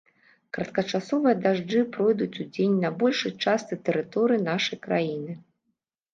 Кароткачасовыя дажджы пройдуць удзень на большай частцы тэрыторыі нашай краіны.